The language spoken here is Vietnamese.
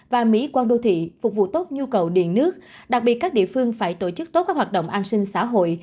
và mỹ quan đô thị phục vụ tốt nhu cầu điện nước đặc biệt các địa phương phải tổ chức tốt các hoạt động an sinh xã hội